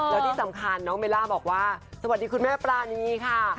แล้วที่สำคัญน้องเบลล่าบอกว่าสวัสดีคุณแม่ปรานีค่ะ